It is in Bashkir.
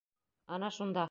Ана шунда...